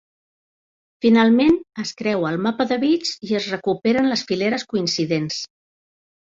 Finalment, es creua el mapa de bits i es recuperen les fileres coincidents.